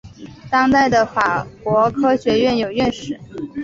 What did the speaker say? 当代的法国科学院有院士。